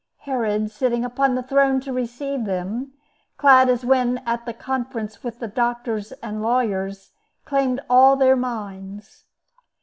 Herod, sitting upon the throne to receive them, clad as when at the conference with the doctors and lawyers, claimed all their minds.